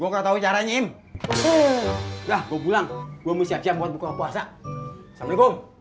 gua ketau caranya im udah gua pulang gua mau siap siap buat buku puasa assalamualaikum